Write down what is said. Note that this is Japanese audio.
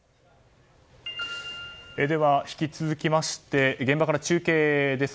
では、引き続き現場から中継です。